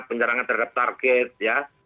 penyerangan terhadap target ya